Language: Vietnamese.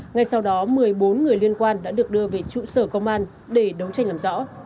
ngay sau đó một mươi bốn người liên quan đã được đưa về trụ sở công an để đấu tranh làm rõ